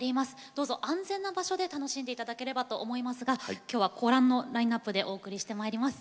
どうぞ安全な場所で楽しんでいただければと思いますが、きょうはご覧のラインナップでお送りしていきます。